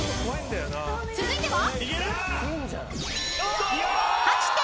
［続いては？］